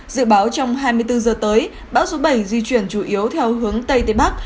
dự báo trong hai mươi bốn giờ tới bão số bảy di chuyển chủ yếu theo hướng tây tây bắc